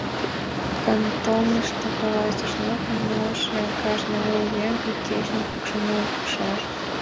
Кантонышто каласышт: «Нормым налше кажне лу еҥ ик еҥым пукшен лукшаш».